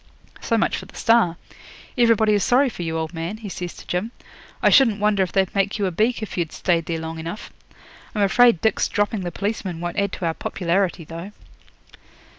So much for the "Star". Everybody is sorry for you, old man,' he says to Jim. 'I shouldn't wonder if they'd make you a beak if you'd stayed there long enough. I'm afraid Dick's dropping the policeman won't add to our popularity, though.'